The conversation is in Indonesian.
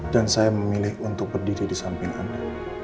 dan saya memilih untuk berdiri di samping anda